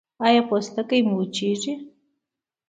ایا پوستکی مو وچیږي؟